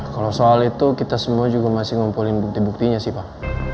kalau soal itu kita semua juga masih ngumpulin bukti buktinya sih pak